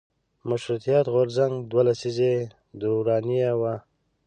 مشروطیت غورځنګ دوه لسیزې دورانیه وه.